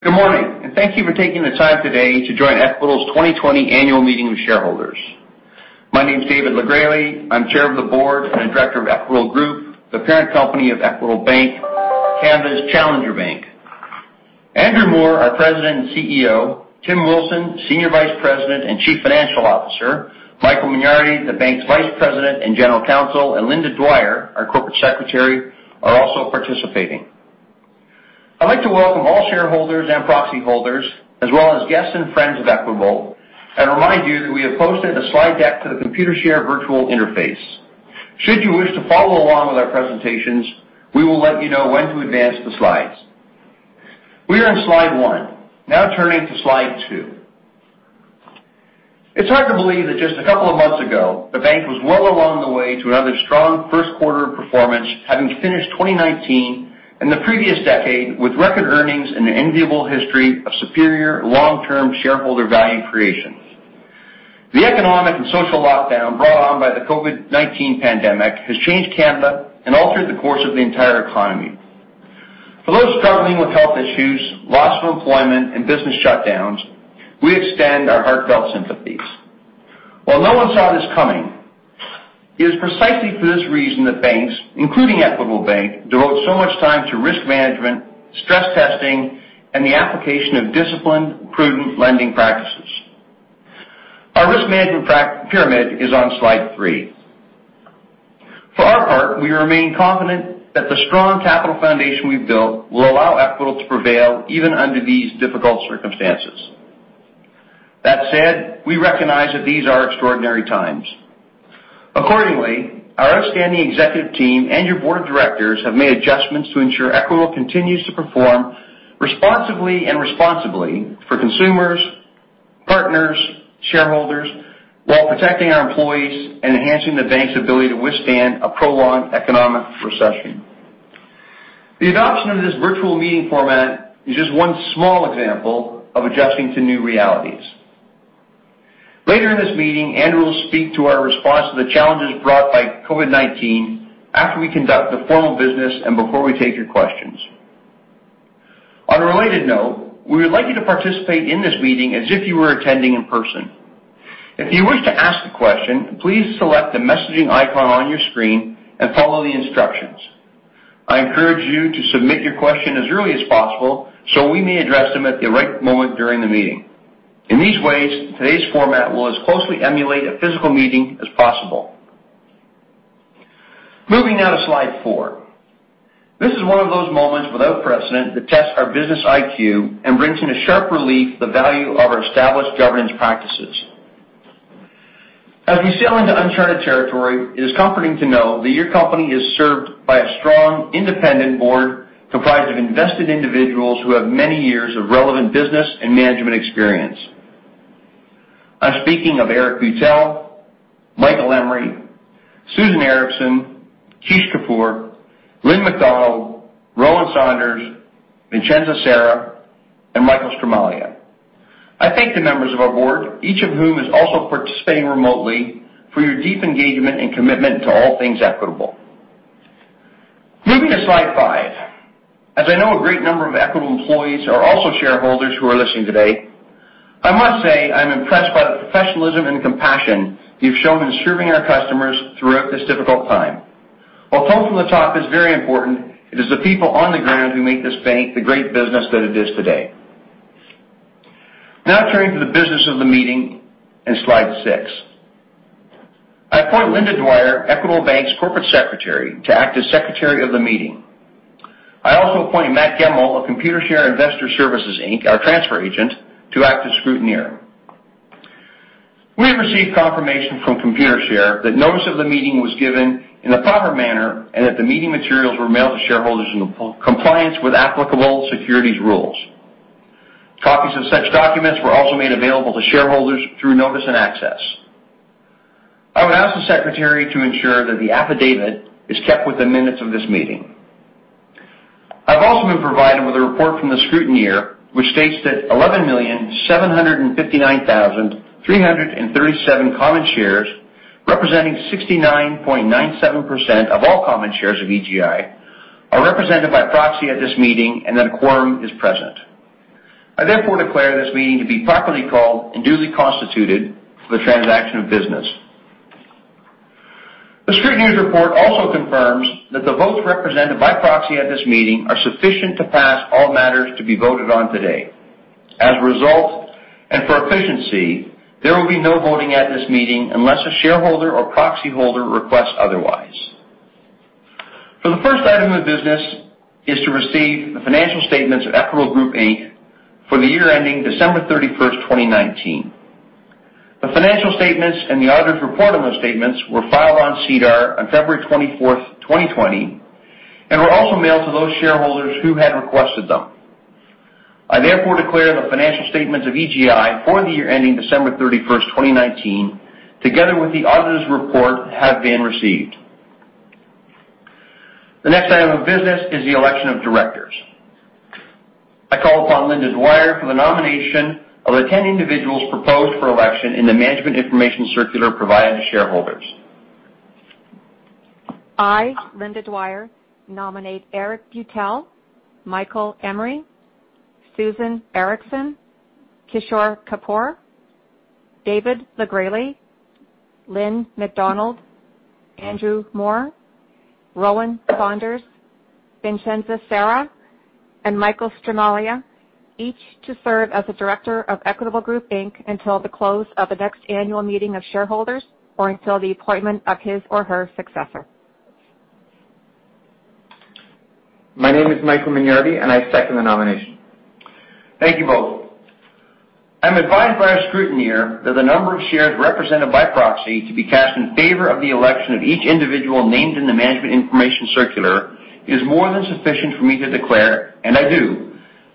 Good morning, and thank you for taking the time today to join Equitable's 2020 Annual Meeting with Shareholders. My name's David LeGresley. I'm Chair of the Board and Director of Equitable Group, the parent company of Equitable Bank: Canada's Challenger Bank. Andrew Moor, our President and CEO; Tim Wilson, Senior Vice President and Chief Financial Officer; Michael Mignardi, the Bank's Vice President and General Counsel; and Linda Dwyer, our Corporate Secretary, are also participating. I'd like to welcome all shareholders and proxy holders, as well as guests and friends of Equitable, and remind you that we have posted a slide deck to the Computershare virtual interface. Should you wish to follow along with our presentations, we will let you know when to advance the slides. We are on slide one, now turning to slide two. It's hard to believe that just a couple of months ago, the Bank was well along the way to another strong first quarter performance, having finished 2019 and the previous decade with record earnings and an enviable history of superior long-term shareholder value creation. The economic and social lockdown brought on by the COVID-19 pandemic has changed Canada and altered the course of the entire economy. For those struggling with health issues, loss of employment, and business shutdowns, we extend our heartfelt sympathies. While no one saw this coming, it is precisely for this reason that banks, including Equitable Bank, devote so much time to risk management, stress testing, and the application of disciplined, prudent lending practices. Our risk management pyramid is on slide three. For our part, we remain confident that the strong capital foundation we've built will allow Equitable to prevail even under these difficult circumstances. That said, we recognize that these are extraordinary times. Accordingly, our outstanding executive team and your Board of Directors have made adjustments to ensure Equitable continues to perform responsively and responsibly for consumers, partners, shareholders, while protecting our employees and enhancing the Bank's ability to withstand a prolonged economic recession. The adoption of this virtual meeting format is just one small example of adjusting to new realities. Later in this meeting, Andrew will speak to our response to the challenges brought by COVID-19 after we conduct the formal business and before we take your questions. On a related note, we would like you to participate in this meeting as if you were attending in person. If you wish to ask a question, please select the messaging icon on your screen and follow the instructions. I encourage you to submit your question as early as possible so we may address them at the right moment during the meeting. In these ways, today's format will as closely emulate a physical meeting as possible. Moving now to slide four. This is one of those moments without precedent that tests our business IQ and brings in a sharp relief of the value of our established governance practices. As we sail into uncharted territory, it is comforting to know that your company is served by a strong, independent board comprised of invested individuals who have many years of relevant business and management experience. I'm speaking of Eric Beutel, Michael Emory, Susan Hutchison, Kishore Kapoor, Lynn McDonald, Rowan Saunders, Vincenza Sera, and Michael Stramaglia. I thank the members of our board, each of whom is also participating remotely, for your deep engagement and commitment to all things Equitable. Moving to slide five. As I know a great number of Equitable employees are also shareholders who are listening today, I must say I'm impressed by the professionalism and compassion you've shown in serving our customers throughout this difficult time. While tone from the top is very important, it is the people on the ground who make this Bank the great business that it is today. Now turning to the business of the meeting and slide six. I appoint Linda Dwyer, Equitable Bank's Corporate Secretary, to act as Secretary of the Meeting. I also appoint Matt Gemmell of Computershare Investor Services Inc, our transfer agent, to act as Scrutineer. We have received confirmation from Computershare that notice of the meeting was given in a proper manner and that the meeting materials were mailed to shareholders in compliance with applicable securities rules. Copies of such documents were also made available to shareholders through Notice and Access. I would ask the Secretary to ensure that the affidavit is kept within minutes of this meeting. I've also been provided with a report from the Scrutineer, which states that 11,759,337 common shares, representing 69.97% of all common shares of EGI, are represented by proxy at this meeting and that a quorum is present. I therefore declare this meeting to be properly called and duly constituted for the transaction of business. The Scrutineer's report also confirms that the votes represented by proxy at this meeting are sufficient to pass all matters to be voted on today. As a result, and for efficiency, there will be no voting at this meeting unless a shareholder or proxy holder requests otherwise. For the first item of business is to receive the financial statements of Equitable Group Inc for the year ending December 31st 2019. The financial statements and the auditor's report on those statements were filed on SEDAR on February 24th 2020, and were also mailed to those shareholders who had requested them. I therefore declare the financial statements of EGI for the year ending December 31st 2019, together with the auditor's report, have been received. The next item of business is the election of directors. I call upon Linda Dwyer for the nomination of the 10 individuals proposed for election in the Management Information Circular provided to shareholders. I, Linda Dwyer, nominate Eric Beutel, Michael Emory, Susan Hutchison, Kishore Kapoor, David LeGresley, Lynn McDonald, Andrew Moor, Rowan Saunders, Vincenza Sera, and Michael Stramaglia, each to serve as the Director of Equitable Group, Inc, until the close of the next annual meeting of shareholders or until the appointment of his or her successor. My name is Michael Mignardi, and I second the nomination. Thank you both. I'm advised by our Scrutineer that the number of shares represented by proxy to be cast in favor of the election of each individual named in the Management Information Circular is more than sufficient for me to declare, and I do,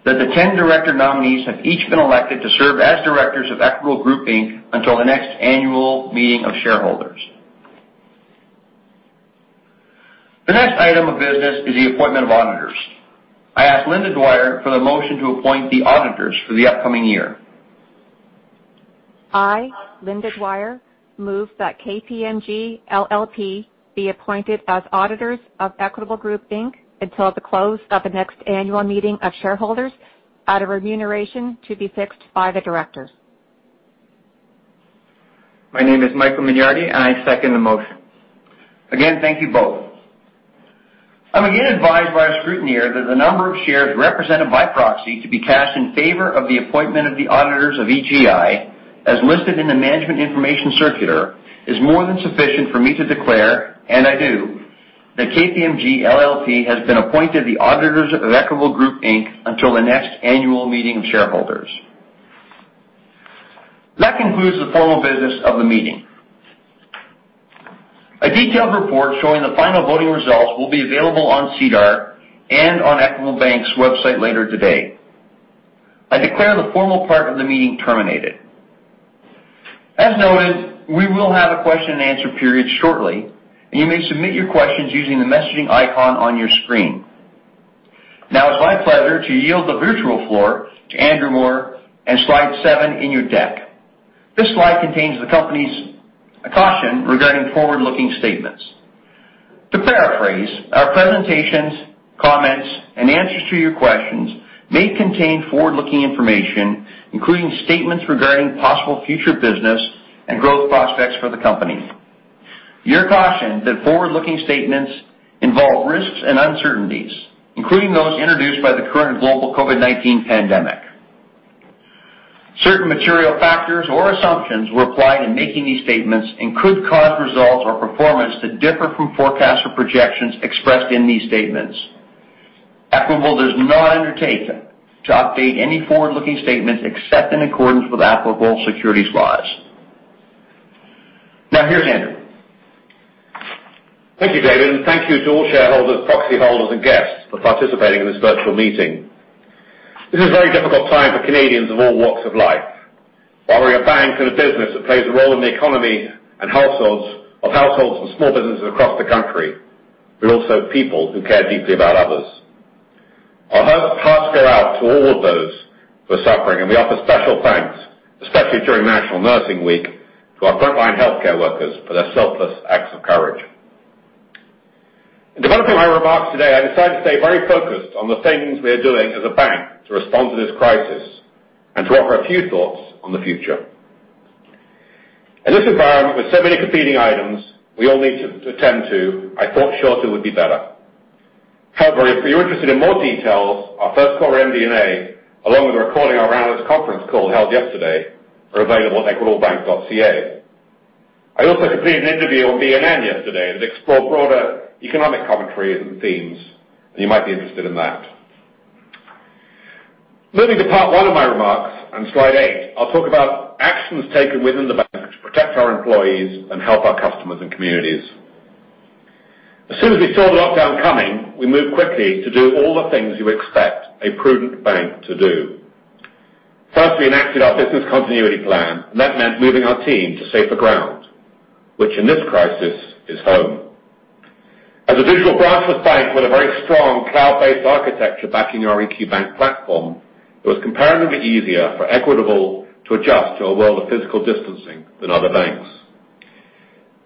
that the 10 director nominees have each been elected to serve as directors of Equitable Group Inc until the next annual meeting of shareholders. The next item of business is the appointment of auditors. I ask Linda Dwyer for the motion to appoint the auditors for the upcoming year. I, Linda Dwyer, move that KPMG LLP be appointed as auditors of Equitable Group Inc, until the close of the next annual meeting of shareholders, at remuneration to be fixed by the directors. My name is Michael Mignardi, and I second the motion. Again, thank you both. I'm again advised by our Scrutineer that the number of shares represented by proxy to be cast in favor of the appointment of the auditors of EGI, as listed in the Management Information Circular, is more than sufficient for me to declare, and I do, that KPMG LLP has been appointed the auditors of Equitable Group Inc until the next annual meeting of shareholders. That concludes the formal business of the meeting. A detailed report showing the final voting results will be available on SEDAR and on Equitable Bank's website later today. I declare the formal part of the meeting terminated. As noted, we will have a question and answer period shortly, and you may submit your questions using the messaging icon on your screen. Now, it's my pleasure to yield the virtual floor to Andrew Moor and slide seven in your deck. This slide contains the company's caution regarding forward-looking statements. To paraphrase, our presentations, comments, and answers to your questions may contain forward-looking information, including statements regarding possible future business and growth prospects for the company. You're cautioned that forward-looking statements involve risks and uncertainties, including those introduced by the current global COVID-19 pandemic. Certain material factors or assumptions were applied in making these statements and could cause results or performance to differ from forecasts or projections expressed in these statements. Equitable does not undertake to update any forward-looking statements except in accordance with applicable securities laws. Now, here's Andrew. Thank you, David, and thank you to all shareholders, proxy holders, and guests for participating in this virtual meeting. This is a very difficult time for Canadians of all walks of life. While we're a bank and a business that plays a role in the economy and households and small businesses across the country, we're also people who care deeply about others. Our hearts go out to all of those who are suffering, and we offer special thanks, especially during National Nursing Week, to our frontline healthcare workers for their selfless acts of courage. In developing my remarks today, I decided to stay very focused on the things we are doing as a bank to respond to this crisis and to offer a few thoughts on the future. In this environment with so many competing items we all need to attend to, I thought shorter would be better. However, if you're interested in more details, our first quarter MD&A, along with a recording of our earnings conference call held yesterday, are available at equitablebank.ca. I also completed an interview on BNN yesterday that explored broader economic commentary and themes, and you might be interested in that. Moving to part one of my remarks and slide eight, I'll talk about actions taken within the bank to protect our employees and help our customers and communities. As soon as we saw the lockdown coming, we moved quickly to do all the things you expect a prudent bank to do. First, we enacted our business continuity plan, and that meant moving our team to safer ground, which in this crisis is home. As a digital branchless bank with a very strong cloud-based architecture backing our EQ Bank Platform, it was comparatively easier for Equitable to adjust to a world of physical distancing than other banks.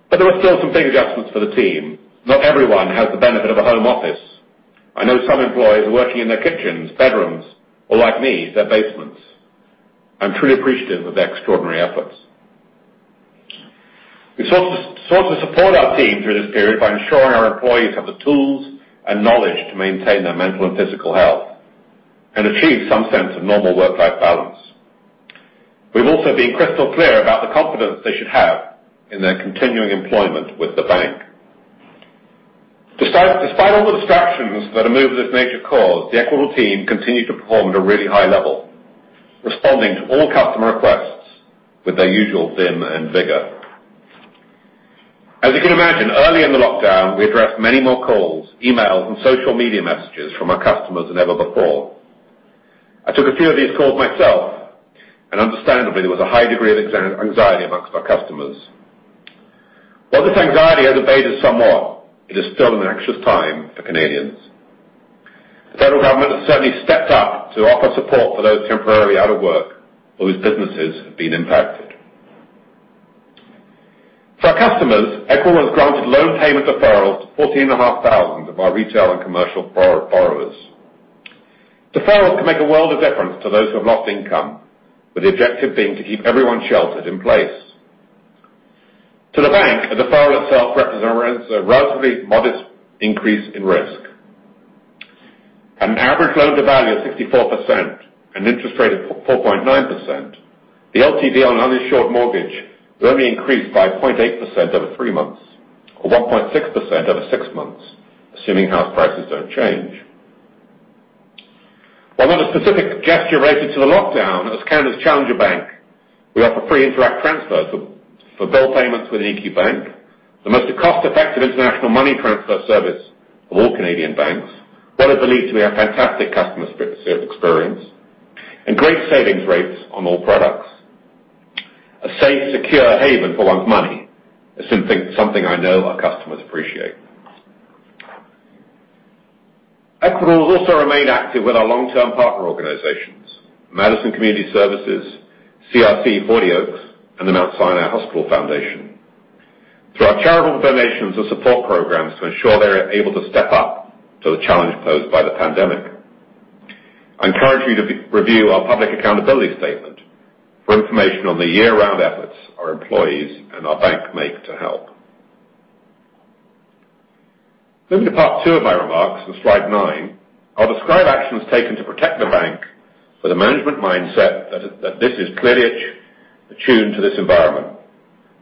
But there were still some big adjustments for the team. Not everyone has the benefit of a home office. I know some employees are working in their kitchens, bedrooms, or, like me, their basements. I'm truly appreciative of their extraordinary efforts. We sought to support our team through this period by ensuring our employees have the tools and knowledge to maintain their mental and physical health and achieve some sense of normal work-life balance. We've also been crystal clear about the confidence they should have in their continuing employment with the bank. Despite all the distractions that a move of this nature caused, the Equitable team continued to perform at a really high level, responding to all customer requests with their usual vim and vigor. As you can imagine, early in the lockdown, we addressed many more calls, emails, and social media messages from our customers than ever before. I took a few of these calls myself, and understandably, there was a high degree of anxiety among our customers. While this anxiety has abated somewhat, it is still an anxious time for Canadians. The federal government has certainly stepped up to offer support for those temporarily out of work or whose businesses have been impacted. For our customers, Equitable has granted loan payment deferrals to 14,500 of our retail and commercial borrowers. Deferrals can make a world of difference to those who have lost income, with the objective being to keep everyone sheltered in place. To the bank, a deferral itself represents a relatively modest increase in risk. At an average loan-to-value of 64% and an interest rate of 4.9%, the LTV on an uninsured mortgage will only increase by 0.8% over three months or 1.6% over six months, assuming house prices don't change. While not a specific gesture related to the lockdown, as Canada's challenger bank, we offer free Interac transfers for bill payments within EQ Bank, the most cost-effective international money transfer service of all Canadian banks, what is believed to be a fantastic customer experience, and great savings rates on all products. A safe, secure haven for one's money is something I know our customers appreciate. Equitable has also remained active with our long-term partner organizations, Madison Community Services, CRC 40 Oaks, and the Mount Sinai Hospital Foundation, through our charitable donations and support programs to ensure they're able to step up to the challenge posed by the pandemic. I encourage you to review our Public Accountability statement for information on the year-round efforts our employees and our bank make to help. Moving to part two of my remarks and slide nine, I'll describe actions taken to protect the bank with a management mindset that this is clearly attuned to this environment,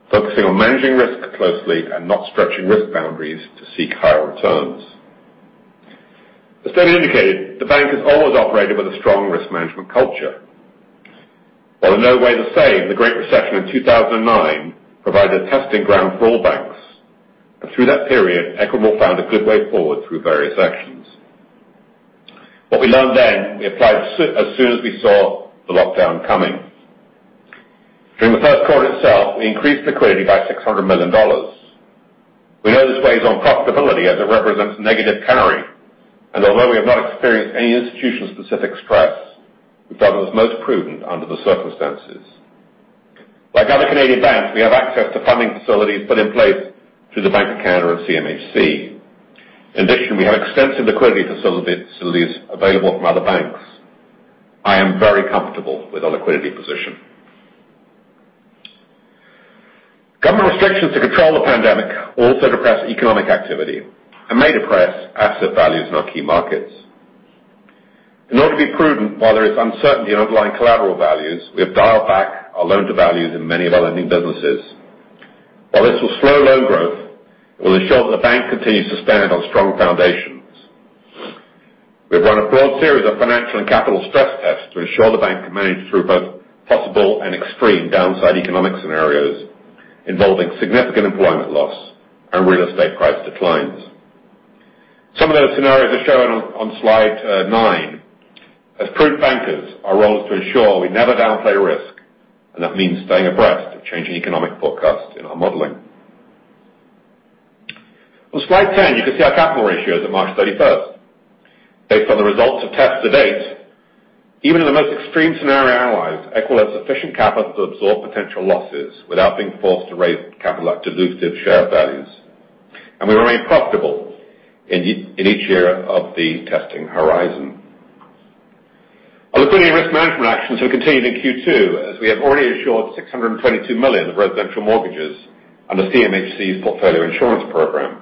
focusing on managing risk closely and not stretching risk boundaries to seek higher returns. As David indicated, the bank has always operated with a strong risk management culture. While in no way the same, the great recession in 2009 provided a testing ground for all banks, and through that period, Equitable found a good way forward through various actions. What we learned then, we applied as soon as we saw the lockdown coming. During the first quarter itself, we increased liquidity by 600 million dollars. We know this weighs on profitability as it represents negative carry, and although we have not experienced any institution-specific stress, we felt it was most prudent under the circumstances. Like other Canadian banks, we have access to funding facilities put in place through the Bank of Canada and CMHC. In addition, we have extensive liquidity facilities available from other banks. I am very comfortable with our liquidity position. Government restrictions to control the pandemic also depressed economic activity and may depress asset values in our key markets. In order to be prudent, while there is uncertainty in underlying collateral values, we have dialed back our loan to values in many of our lending businesses. While this will slow loan growth, it will ensure that the bank continues to stand on strong foundations. We have run a broad series of financial and capital stress tests to ensure the bank can manage through both possible and extreme downside economic scenarios involving significant employment loss and real estate price declines. Some of those scenarios are shown on slide nine. As true bankers, our role is to ensure we never downplay risk, and that means staying abreast of changing economic forecasts in our modeling. On slide 10, you can see our capital ratios at March 31st. Based on the results of tests to date, even in the most extreme scenario analyzed, Equitable has sufficient capital to absorb potential losses without being forced to raise capital at dilutive share values, and we remain profitable in each year of the testing horizon. Our liquidity and risk management actions have continued in Q2 as we have already insured 622 million of residential mortgages under CMHC's portfolio insurance program.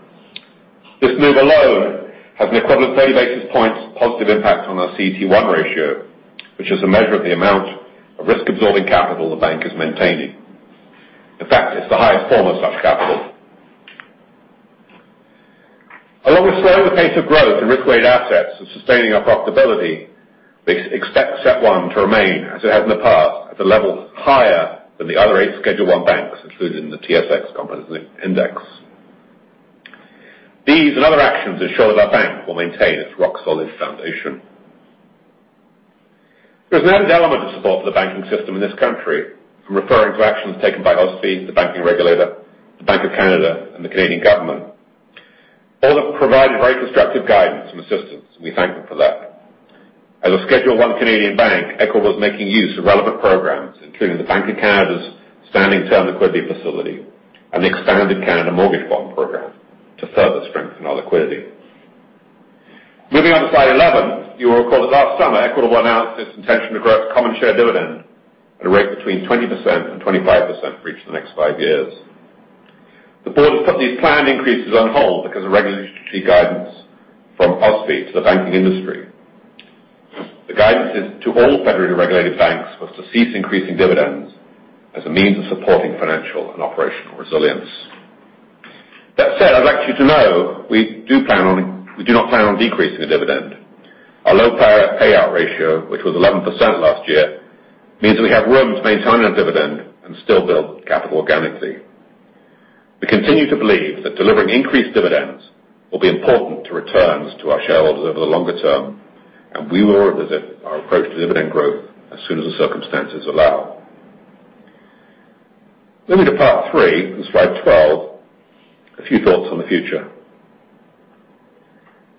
This move alone has an equivalent 30 basis points positive impact on our CET1 ratio, which is a measure of the amount of risk-absorbing capital the bank is maintaining. In fact, it's the highest form of such capital. Along with slowing the pace of growth and risk-weighted assets and sustaining our profitability, we expect CET1 to remain, as it has in the past, at a level higher than the other eight Schedule I banks, including the TSX Composite Index. These and other actions ensure that our bank will maintain its rock-solid foundation. There is an added element of support for the banking system in this country, referring to actions taken by OSFI, the banking regulator, the Bank of Canada, and the Canadian government. All have provided very constructive guidance and assistance, and we thank them for that. As a Schedule I Canadian bank, Equitable is making use of relevant programs, including the Bank of Canada's Standing Term Liquidity Facility and the expanded Canada Mortgage Bond Program, to further strengthen our liquidity. Moving on to slide 11, you will recall that last summer, Equitable announced its intention to grant a common share dividend at a rate between 20% and 25% for each of the next five years. The board has put these planned increases on hold because of regulatory guidance from OSFI to the banking industry. The guidance to all federally regulated banks was to cease increasing dividends as a means of supporting financial and operational resilience. That said, I'd like you to know we do not plan on decreasing the dividend. Our low payout ratio, which was 11% last year, means that we have room to maintain our dividend and still build capital organically. We continue to believe that delivering increased dividends will be important to returns to our shareholders over the longer term, and we will revisit our approach to dividend growth as soon as the circumstances allow. Moving to part three and slide 12, a few thoughts on the future.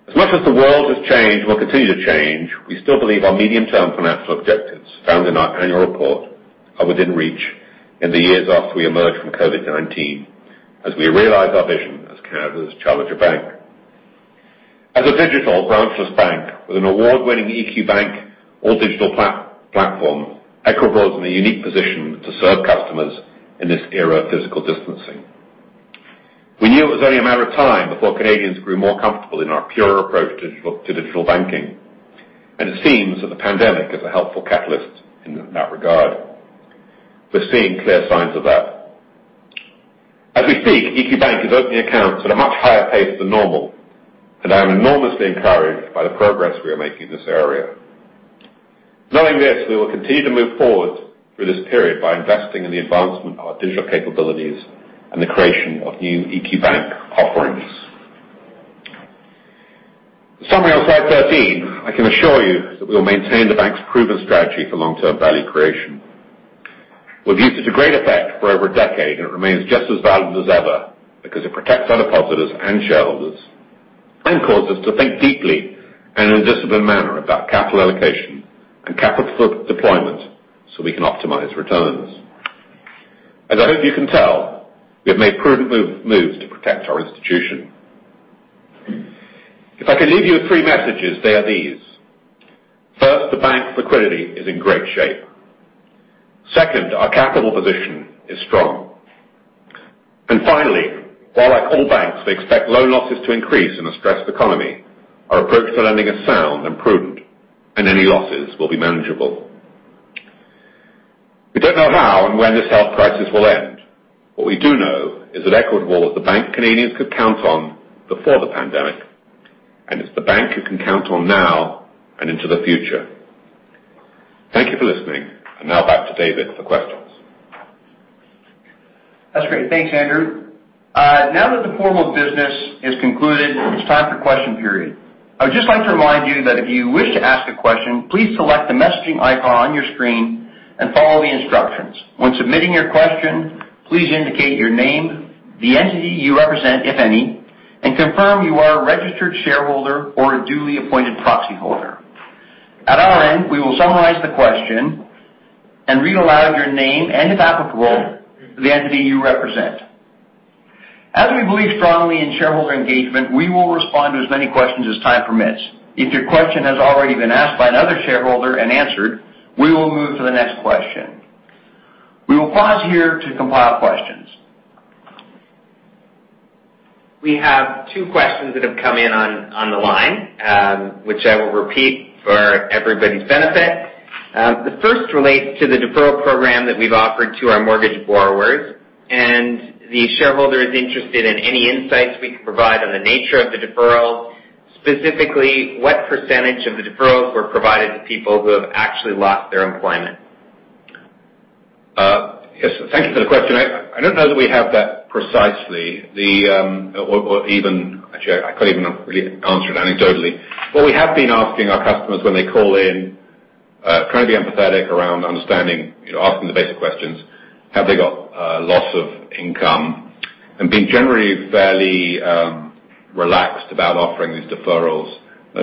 As much as the world has changed and will continue to change, we still believe our medium-term financial objectives found in our annual report are within reach in the years after we emerge from COVID-19, as we realize our vision as Canada's challenger bank. As a digital branchless bank with an award-winning EQ Bank All Digital Platform, Equitable is in a unique position to serve customers in this era of physical distancing. We knew it was only a matter of time before Canadians grew more comfortable in our pure approach to digital banking, and it seems that the pandemic is a helpful catalyst in that regard. We're seeing clear signs of that. As we speak, EQ Bank is opening accounts at a much higher pace than normal, and I am enormously encouraged by the progress we are making in this area. Knowing this, we will continue to move forward through this period by investing in the advancement of our digital capabilities and the creation of new EQ Bank offerings. Summary on slide 13, I can assure you that we will maintain the bank's proven strategy for long-term value creation. We've used it to great effect for over a decade, and it remains just as valid as ever because it protects our depositors and shareholders and causes us to think deeply and in a disciplined manner about capital allocation and capital deployment so we can optimize returns. As I hope you can tell, we have made prudent moves to protect our institution. If I can leave you with three messages, they are these. First, the bank's liquidity is in great shape. Second, our capital position is strong. Finally, while like all banks, we expect loan losses to increase in a stressed economy, our approach to lending is sound and prudent, and any losses will be manageable. We don't know how and when this health crisis will end. What we do know is that Equitable was the bank Canadians could count on before the pandemic, and it's the bank you can count on now and into the future. Thank you for listening, and now back to David for questions. That's great. Thanks, Andrew. Now that the formal business is concluded, it's time for a question period. I would just like to remind you that if you wish to ask a question, please select the messaging icon on your screen and follow the instructions. When submitting your question, please indicate your name, the entity you represent, if any, and confirm you are a registered shareholder or a duly appointed proxy holder. At our end, we will summarize the question and read aloud your name and, if applicable, the entity you represent. As we believe strongly in shareholder engagement, we will respond to as many questions as time permits. If your question has already been asked by another shareholder and answered, we will move to the next question. We will pause here to compile questions. We have two questions that have come in on the line, which I will repeat for everybody's benefit. The first relates to the deferral program that we've offered to our mortgage borrowers, and the shareholder is interested in any insights we can provide on the nature of the deferrals, specifically what percentage of the deferrals were provided to people who have actually lost their employment. Yes, thank you for the question. I don't know that we have that precisely or even actually, I can't even really answer it anecdotally. What we have been asking our customers when they call in, trying to be empathetic around understanding, asking the basic questions, have they got loss of income and being generally fairly relaxed about offering these deferrals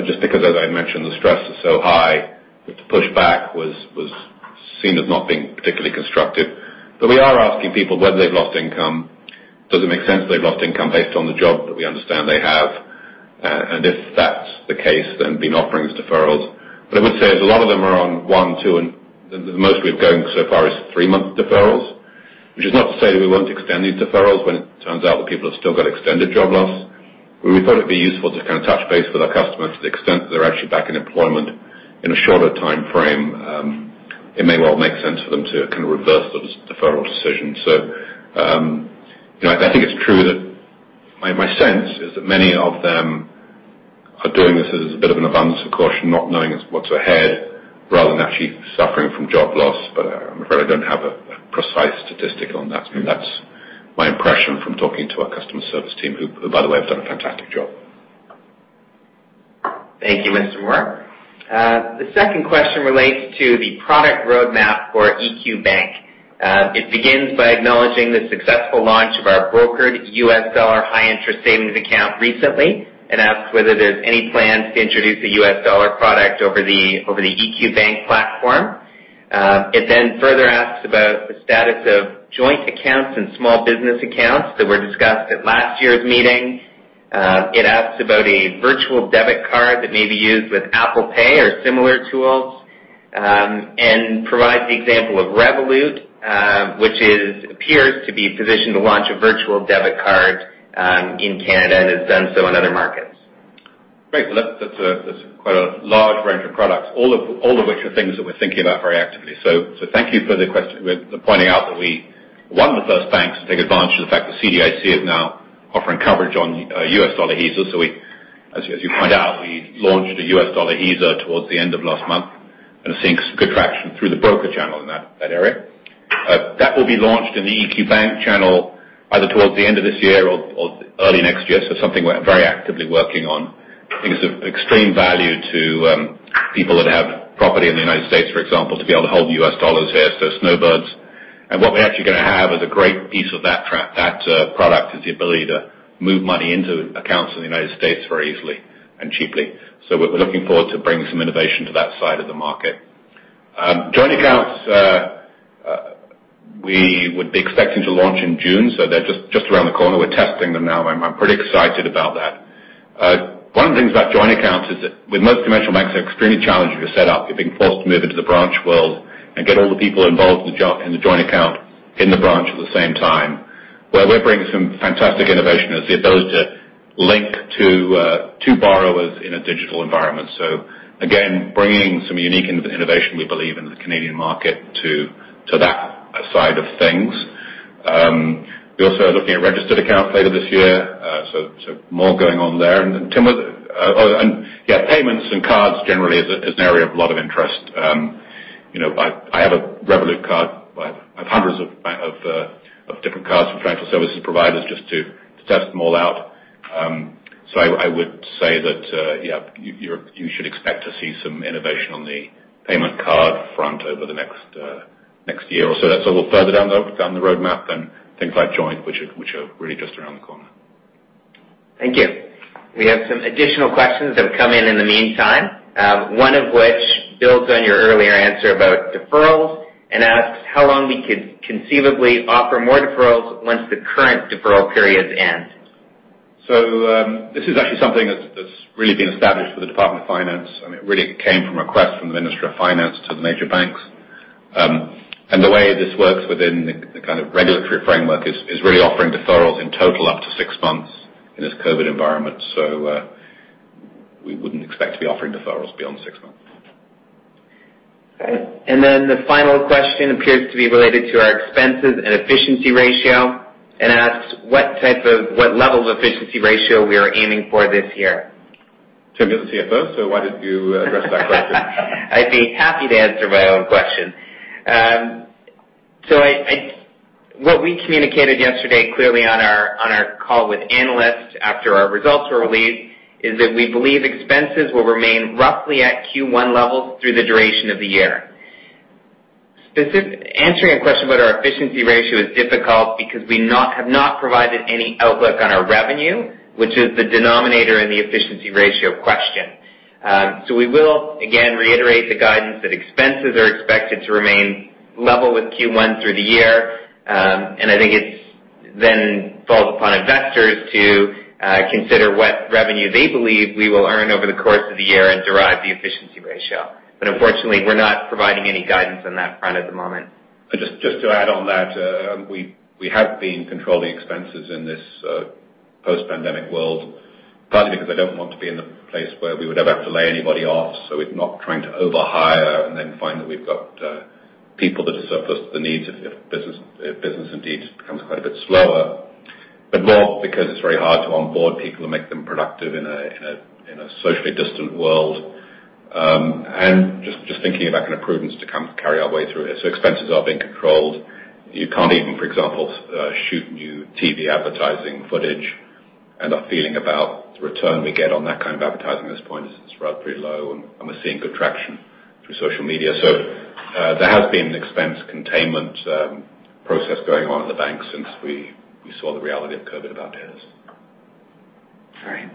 just because, as I mentioned, the stress is so high. The pushback was seen as not being particularly constructive, but we are asking people whether they've lost income. Does it make sense they've lost income based on the job that we understand they have, and if that's the case, then been offering these deferrals. But I would say a lot of them are on one, two, and the most we've gotten so far is three-month deferrals, which is not to say that we won't extend these deferrals when it turns out that people have still got extended job loss. We thought it'd be useful to kind of touch base with our customers to the extent that they're actually back in employment in a shorter time frame. It may well make sense for them to kind of reverse those deferral decisions. So I think it's true that my sense is that many of them are doing this as a bit of an abundance of caution, not knowing what's ahead, rather than actually suffering from job loss. But I'm afraid I don't have a precise statistic on that. That's my impression from talking to our customer service team, who, by the way, have done a fantastic job. Thank you, Mr. Moor. The second question relates to the product roadmap for EQ Bank. It begins by acknowledging the successful launch of our brokered US dollar high-interest savings account recently and asks whether there's any plans to introduce a US dollar product over the EQ Bank platform. It then further asks about the status of joint accounts and small business accounts that were discussed at last year's meeting. It asks about a virtual debit card that may be used with Apple Pay or similar tools and provides the example of Revolut, which appears to be positioned to launch a virtual debit card in Canada and has done so in other markets. Great. That's quite a large range of products, all of which are things that we're thinking about very actively. So thank you for the question pointing out that we were the first bank to take advantage of the fact that CDIC is now offering coverage on USD HISA. So as you point out, we launched a USD HISA towards the end of last month and are seeing some good traction through the broker channel in that area. That will be launched in the EQ Bank channel either towards the end of this year or early next year, so something we're very actively working on. Things of extreme value to people that have property in the United States, for example, to be able to hold U.S. dollars here, so snowbirds. And what we're actually going to have as a great piece of that product is the ability to move money into accounts in the United States very easily and cheaply. So we're looking forward to bringing some innovation to that side of the market. Joint accounts, we would be expecting to launch in June, so they're just around the corner. We're testing them now, and I'm pretty excited about that. One of the things about joint accounts is that with most conventional banks, they're extremely challenging to set up. You're being forced to move into the branch world and get all the people involved in the joint account in the branch at the same time. Where we're bringing some fantastic innovation is the ability to link to borrowers in a digital environment. So again, bringing some unique innovation, we believe, into the Canadian market to that side of things. We're also looking at registered accounts later this year, so more going on there, and yeah, payments and cards generally is an area of a lot of interest. I have a Revolut card. I have hundreds of different cards from financial services providers just to test them all out, so I would say that, yeah, you should expect to see some innovation on the payment card front over the next year or so. That's a little further down the roadmap than things like joint, which are really just around the corner. Thank you. We have some additional questions that have come in in the meantime, one of which builds on your earlier answer about deferrals and asks how long we could conceivably offer more deferrals once the current deferral periods end. This is actually something that's really been established for the Department of Finance, and it really came from a request from the Ministry of Finance to the major banks. The way this works within the kind of regulatory framework is really offering deferrals in total up to six months in this COVID environment. We wouldn't expect to be offering deferrals beyond six months. Okay. And then the final question appears to be related to our expenses and efficiency ratio and asks what level of efficiency ratio we are aiming for this year. Tim, you're the CFO, so why didn't you address that question? I'd be happy to answer my own question. So what we communicated yesterday clearly on our call with analysts after our results were released is that we believe expenses will remain roughly at Q1 levels through the duration of the year. Answering a question about our efficiency ratio is difficult because we have not provided any outlook on our revenue, which is the denominator in the efficiency ratio question. So we will, again, reiterate the guidance that expenses are expected to remain level with Q1 through the year, and I think it then falls upon investors to consider what revenue they believe we will earn over the course of the year and derive the efficiency ratio. But unfortunately, we're not providing any guidance on that front at the moment. Just to add on that, we have been controlling expenses in this post-pandemic world, partly because I don't want to be in the place where we would ever have to lay anybody off. So we're not trying to overhire and then find that we've got people that are surplus to the needs if business indeed becomes quite a bit slower, but more because it's very hard to onboard people and make them productive in a socially distant world. And just thinking about kind of prudence to carry our way through it. So expenses are being controlled. You can't even, for example, shoot new TV advertising footage. And our feeling about the return we get on that kind of advertising at this point is it's rather pretty low, and we're seeing good traction through social media. So there has been an expense containment process going on in the bank since we saw the reality of COVID about years. All right.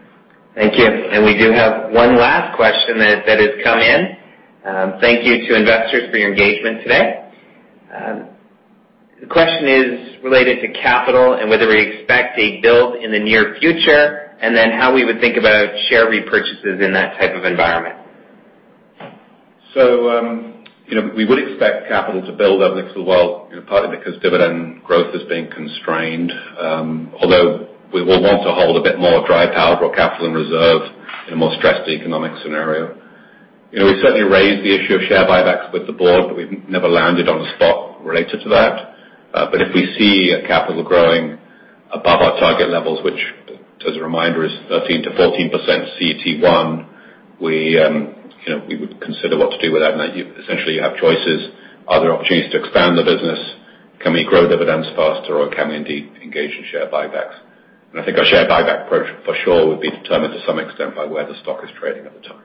Thank you. And we do have one last question that has come in. Thank you to investors for your engagement today. The question is related to capital and whether we expect a build in the near future and then how we would think about share repurchases in that type of environment. We would expect capital to build over the next little while, partly because dividend growth is being constrained, although we will want to hold a bit more dry powder or capital in reserve in a more stressed economic scenario. We certainly raised the issue of share buybacks with the board, but we've never landed on a spot related to that. If we see capital growing above our target levels, which, as a reminder, is 13%-14% CET1, we would consider what to do with that. Essentially, you have choices. Are there opportunities to expand the business? Can we grow dividends faster, or can we indeed engage in share buybacks? I think our share buyback approach for sure would be determined to some extent by where the stock is trading at the time.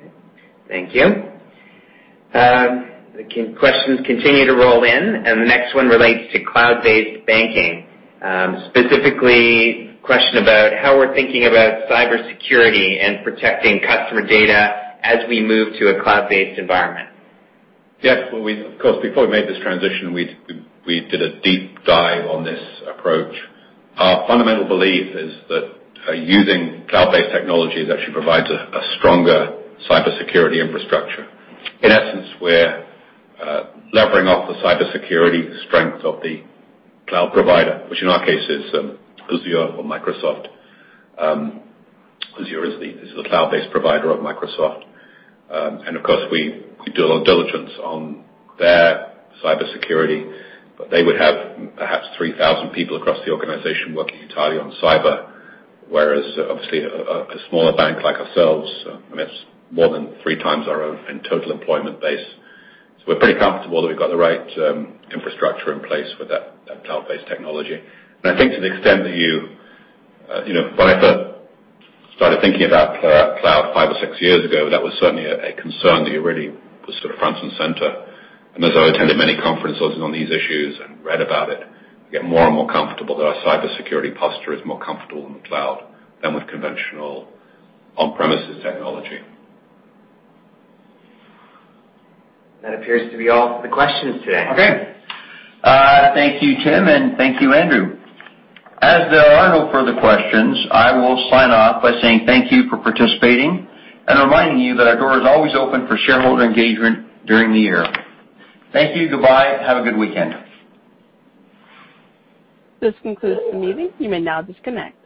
Okay. Thank you. Questions continue to roll in, and the next one relates to cloud-based banking, specifically a question about how we're thinking about cybersecurity and protecting customer data as we move to a cloud-based environment. Yeah. Of course, before we made this transition, we did a deep dive on this approach. Our fundamental belief is that using cloud-based technology actually provides a stronger cybersecurity infrastructure. In essence, we're leveraging off the cybersecurity strength of the cloud provider, which in our case is Azure or Microsoft. Azure is the cloud-based provider of Microsoft. And of course, we do a lot of diligence on their cybersecurity, but they would have perhaps 3,000 people across the organization working entirely on cyber, whereas obviously a smaller bank like ourselves, I mean, it's more than three times our own total employment base. So we're pretty comfortable that we've got the right infrastructure in place with that cloud-based technology. And I think to the extent that you started thinking about cloud five or six years ago, that was certainly a concern that you really were sort of front and center. As I attended many conferences on these issues and read about it, I get more and more comfortable that our cybersecurity posture is more comfortable in the cloud than with conventional on-premises technology. That appears to be all for the questions today. Okay. Thank you, Tim, and thank you, Andrew. As there are no further questions, I will sign off by saying thank you for participating and reminding you that our door is always open for shareholder engagement during the year. Thank you. Goodbye. Have a good weekend. This concludes the meeting. You may now disconnect.